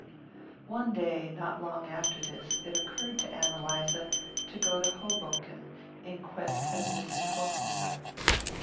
One day not long after this it occurred to Ann Eliza to go to Hoboken in quest of Mrs. Hochmuller.